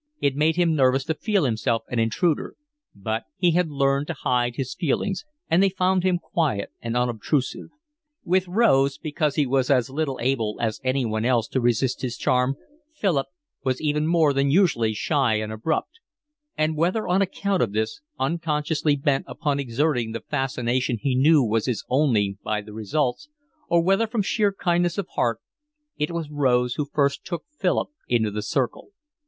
It made him nervous to feel himself an intruder; but he had learned to hide his feelings, and they found him quiet and unobtrusive. With Rose, because he was as little able as anyone else to resist his charm, Philip was even more than usually shy and abrupt; and whether on account of this, unconsciously bent upon exerting the fascination he knew was his only by the results, or whether from sheer kindness of heart, it was Rose who first took Philip into the circle.